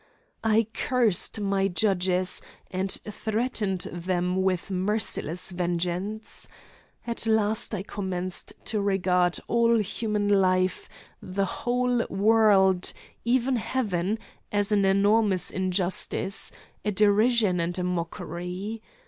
I cursed my judges and threatened them with merciless vengeance. At last I commenced to regard all human life, the whole world, even Heaven, as an enormous injustice, a derision and a mockery.